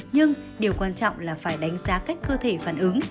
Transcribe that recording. nhưng điều quan trọng là phải đánh giá cách cơ thể phản ứng